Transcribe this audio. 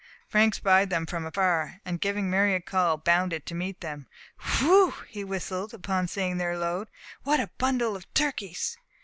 Frank spied them from afar, and giving Mary a call, bounded to meet them. "Whew!" he whistled, on seeing their load, "what a bundle of turkeys!"